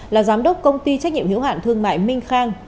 là giám đốc công ty trách nhiệm hiệu hạn thương mại minh khang